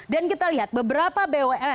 dan kita lihat berapa banyak produk yang kita dapat